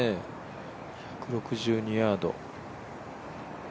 ６２ヤード。